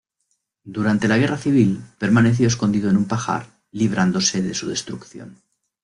Durante la guerra civil permaneció escondido en un pajar, librándose de su destrucción.